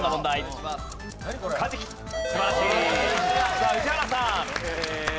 さあ宇治原さん。